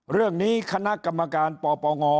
เรื่องนี้คณะกรรมการปปง